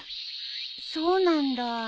そうなんだ。